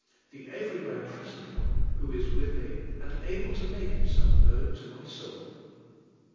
The Every where Present One, who is with me and able to make Himself known to my soul."